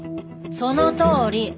そのとおり。